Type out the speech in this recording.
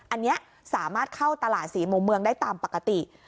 อันนี้สามารถเข้าตลาดศรีมุมเมืองได้ตามปกติ